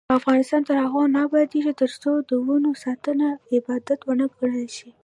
افغانستان تر هغو نه ابادیږي، ترڅو د ونو ساتنه عبادت ونه ګڼل شي.